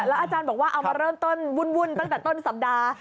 อาจารย์บอกว่าเอามาเริ่มต้นวุ่นตั้งแต่ต้นสัปดาห์